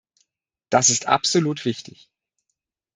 Das ist absolut wichtig.